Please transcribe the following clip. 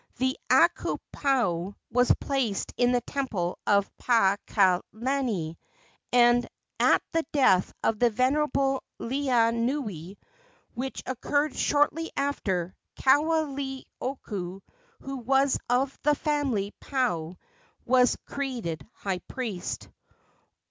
The Akuapaao was placed in the temple of Paakalani, and at the death of the venerable Laeanui, which occurred shortly after, Kaoleioku, who was of the family of Paao, was created high priest.